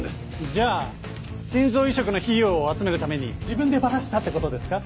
じゃあ心臓移植の費用を集めるために自分でバラしたってことですか？